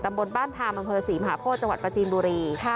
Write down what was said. ตำบลบ้านธาบังเภอศรีมหาโพธิ์จประจีนบุรี